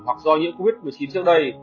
hoặc do nhiễm covid một mươi chín trước đây